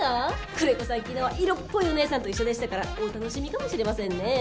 久連木さん昨日色っぽいお姉さんと一緒でしたからお楽しみかもしれませんねえ。